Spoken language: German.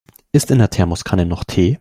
Ist in der Thermoskanne noch Tee?